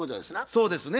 そうですね。